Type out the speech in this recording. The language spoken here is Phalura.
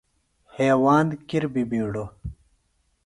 ہیواند کِر بہ بِیڈوۡ۔